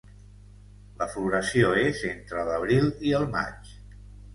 La floració és entre l'Abril i el Maig.